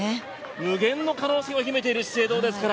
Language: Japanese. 無限の可能性を秘めている資生堂ですから。